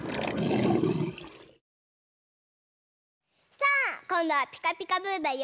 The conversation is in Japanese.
さあこんどは「ピカピカブ！」だよ。